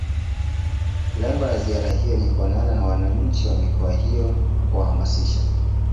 Lengo la ziara hiyo ni kuonana na wananchi wa mikoa hiyo na kuwahamasisha